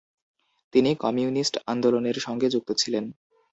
তিনি কমিউনিস্ট আন্দোলনের সঙ্গে যুক্ত ছিলেন।